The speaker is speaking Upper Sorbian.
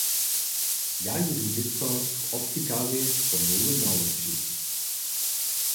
Ja jědu nětko k optikarjej po nowe nawoči.